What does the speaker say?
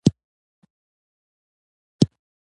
ښه خدمت د بازار زړه دی.